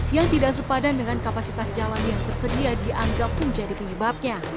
yang tidak sepadan dengan kapasitas jalan yang tersedia dianggap menjadi penyebabnya